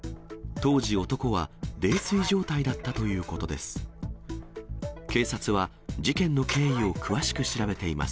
当時、男は泥酔状態だったということです。